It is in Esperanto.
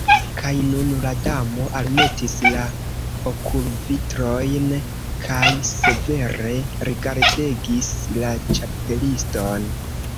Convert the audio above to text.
Kaj nun la Damo almetis la okulvitrojn kaj severe rigardegis la Ĉapeliston.